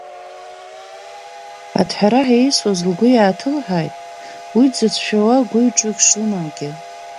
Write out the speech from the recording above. Аҭҳараҳәа еисуаз лгәы иааҭылҳәааит, уи дзыцәшәауа гәыҩ-ҿыҩк шлымамгьы.